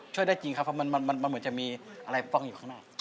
ได้จริงครับเพราะมันเหมือนจะมีอะไรป้องอยู่ข้างหน้า